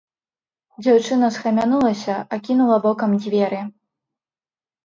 Дзяўчына схамянулася, акінула вокам дзверы.